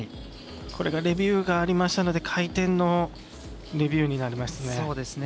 これがレビューがありましたので回転のレビューになりますね。